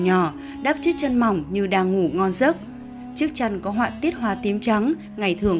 nhỏ đắp chiếc chân mỏng như đang ngủ ngon giấc chiếc chân có họa tiết hoa tím trắng ngày thường